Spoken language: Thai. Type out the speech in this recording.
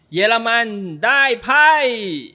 เยอรมันได้ไพ่